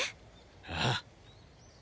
ああ。